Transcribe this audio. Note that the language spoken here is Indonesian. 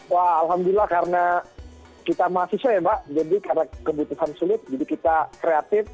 wah alhamdulillah karena kita mahasiswa ya mbak jadi karena kebutuhan sulit jadi kita kreatif